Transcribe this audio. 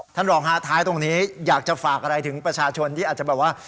ท่านรองฮะท้ายตรงนี้อยากจะฝากอะไรถึงประชาชนที่อาจจะแบบว่า